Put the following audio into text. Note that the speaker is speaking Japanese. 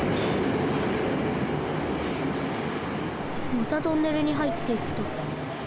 またトンネルにはいっていった。